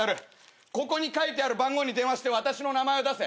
ここに書いてある番号に電話して私の名前を出せ。